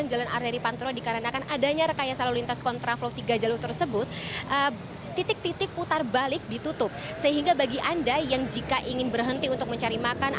bapak ya selamat kembali bertugas pak